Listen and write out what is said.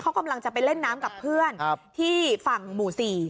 เขากำลังจะไปเล่นน้ำกับเพื่อนที่ฝั่งหมู่๔